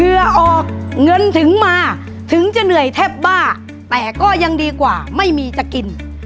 เหื่อออกเงินถึงมาถึงจะเหนื่อยแทบบ้าแต่ก็ยังดีกว่าไม่มีจะกิน